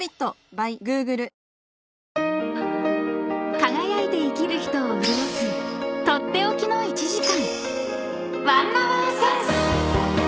［輝いて生きる人を潤す取って置きの１時間］